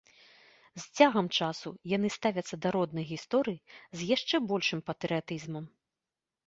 З цягам часу яны ставяцца да роднай гісторыі з яшчэ большым патрыятызмам.